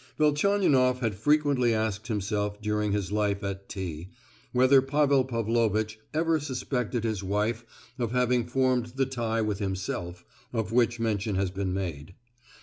Velchaninoff had frequently asked himself during his life at T——, whether Pavel Pavlovitch ever suspected his wife of having formed the tie with himself, of which mention has been made.